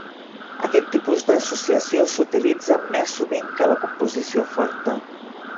Aquest tipus d'associació s’utilitza més sovint que la composició forta.